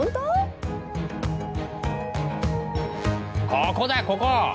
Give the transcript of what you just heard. ここだここ！